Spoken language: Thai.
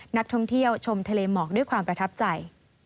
นักท่องเที่ยวชมทะเลหมอกด้วยความประทับใจ